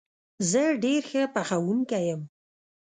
زه ډېر ښه پخوونکی یم